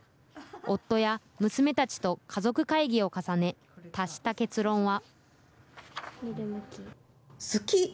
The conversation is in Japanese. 夫や娘たちと家族会議を重ね、達した結論は。